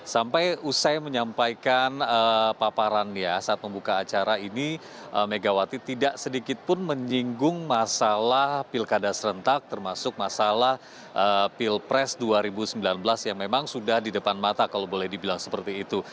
sampai usai menyampaikan paparannya saat membuka acara ini megawati tidak sedikit pun menyinggung masalah pilkada serentak termasuk masalah pilpres dua ribu sembilan belas yang memang sudah di depan mata kalau boleh dibilang seperti itu